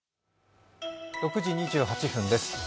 ６時２８分です。